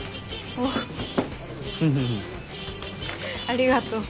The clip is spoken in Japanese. ありがとう。